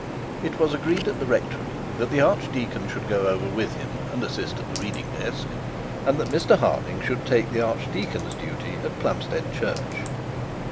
It was agreed at the rectory that the archdeacon should go over with him and assist at the reading desk, and that Mr Harding should take the archdeacon's duty at Plumstead Church.